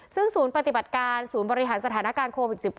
ซึ่งศูนย์ปฏิบัติการศูนย์บริหารสถานการณ์โควิด๑๙